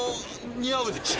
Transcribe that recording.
似合うでしょ？